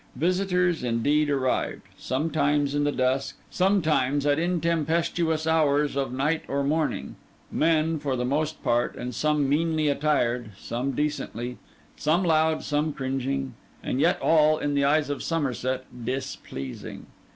Visitors, indeed, arrived; sometimes in the dusk, sometimes at intempestuous hours of night or morning; men, for the most part; some meanly attired, some decently; some loud, some cringing; and yet all, in the eyes of Somerset, displeasing.